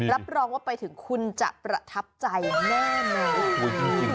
รับรองว่าไปถึงคุณจะประทับใจแน่นอน